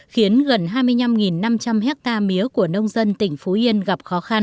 khiến gần hai mươi năm năm trăm linh hectare mía của nông dân tỉnh phú yên gặp khó khăn